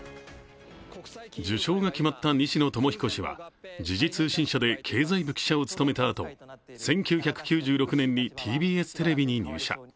受賞が決まった西野智彦氏は時事通信社で経済部記者を務めたあと１９９６年にＴＢＳテレビに入社。